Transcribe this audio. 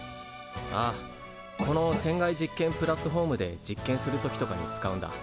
ああこの船外実験プラットフォームで実験する時とかに使うんだ。